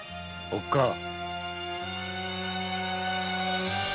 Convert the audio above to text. おっかぁ